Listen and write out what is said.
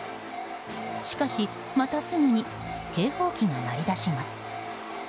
しかし、またすぐに警報機が鳴り出します。